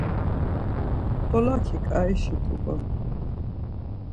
Bolaki ǩaişi t̆uǩon.